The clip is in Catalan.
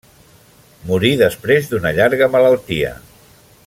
Morí després d'una llarga malaltia.